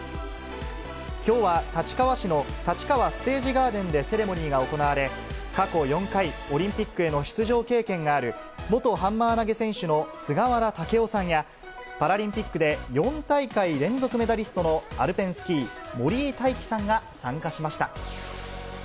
きょうは立川市のタチカワステージガーデンでセレモニーが行われ、過去４回、オリンピックへの出場経験がある、元ハンマー投げ選手の菅原武男さんや、パラリンピックで４大会連続メダリストのアルペンスキー、森井大輝さんが参加しました。